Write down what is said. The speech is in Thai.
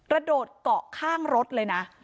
โดดเกาะข้างรถเลยนะ